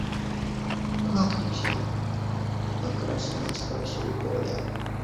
– Как нельзя? – покраснев, спросил Коля.